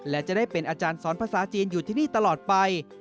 และจะได้เป็นอาจารย์สอนภาษาจีนอยู่ที่นี่ตลอดไป